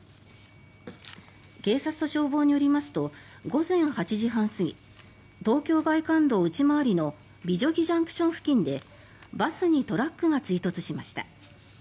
警察と消防によりますと午前８時半過ぎ東京外環道内回りの美女木ＪＣＴ付近でバスにトラックが追突しました。